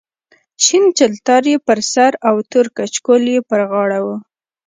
شین چلتار یې پر سر او تور کچکول یې پر غاړه و.